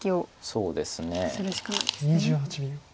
そうですね。